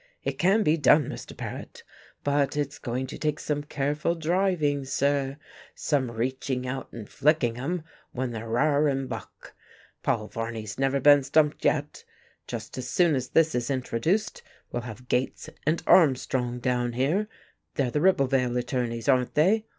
"It can be done, Mr. Paret, but it's going to take some careful driving, sir, some reaching out and flicking 'em when they r'ar and buck. Paul Varney's never been stumped yet. Just as soon as this is introduced we'll have Gates and Armstrong down here they're the Ribblevale attorneys, aren't they?